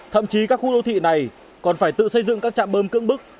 thậm chí các khu đô thị này còn phải tự xây dựng các trạm bơm cưỡng bức